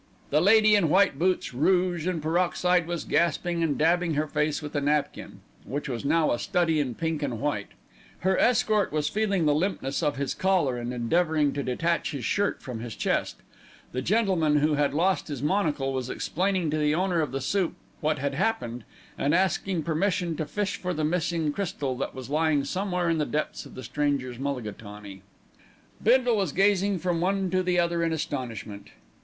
The lady in white boots, rouge and peroxide was gasping and dabbing her face with a napkin, which was now a study in pink and white. Her escort was feeling the limpness of his collar and endeavouring to detach his shirt from his chest. The gentleman who had lost his monocle was explaining to the owner of the soup what had happened, and asking permission to fish for the missing crystal that was lying somewhere in the depths of the stranger's mulligatawny. Bindle was gazing from one to the other in astonishment.